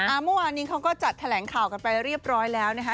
เมื่อวานนี้เขาก็จัดแถลงข่าวกันไปเรียบร้อยแล้วนะคะ